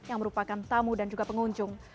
yang merupakan tamu dan juga pengunjung